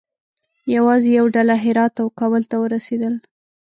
یوازې یوه ډله هرات او کابل ته ورسېدل.